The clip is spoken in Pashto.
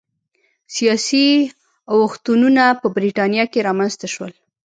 سیاسي اوښتونونه په برېټانیا کې رامنځته شول